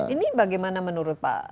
ini bagaimana menurut pak